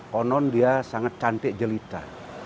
konon dia sangat cantik jelita